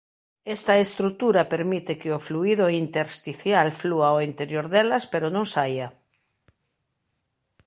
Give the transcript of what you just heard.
Esta estrutura permite que o fluído intersticial flúa ao interior delas pero non saia.